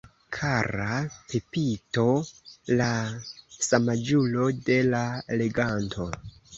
Kara Pepito, la samaĝulo de la leganto!